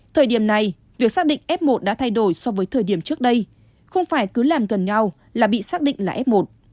thời điểm này việc xác định f một đã thay đổi so với thời điểm trước đây không phải cứ làm gần nhau là bị xác định là f một